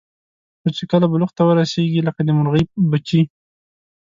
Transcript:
خو چې کله بلوغ ته ورسېږي لکه د مرغۍ بچي.